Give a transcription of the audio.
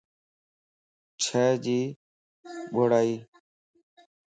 ڇي جي ٻوڙائي؟